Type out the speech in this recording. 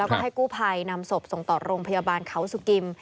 แล้วก็ให้กู้ภัยนำศพส่งต่อโรงพยาบาลเขาสุกิม